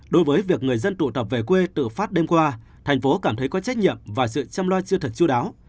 đối với việc người dân tụ tập về quê tự phát đêm qua thành phố cảm thấy có trách nhiệm và sự chăm lo chưa thật chú đáo